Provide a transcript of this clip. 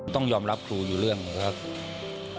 ต้องยอมรับครูอยู่เรื่องนะครับ